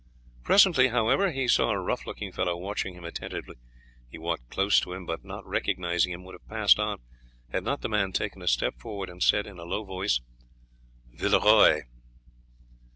Presently, however, he saw a rough looking fellow watching him attentively. He walked close to him, but not recognizing him would have passed on, had not the man taken a step forward and said in a low voice: "Villeroy!"